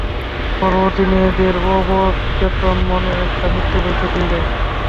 গর্ভবতী মেয়েদের অবচেতন মনে একটা মৃত্যুভয় থেকেই যায়।